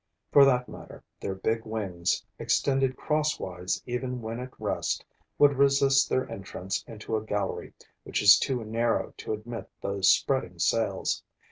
For that matter, their big wings, extended crosswise even when at rest, would resist their entrance into a gallery, which is too narrow to admit those spreading sails.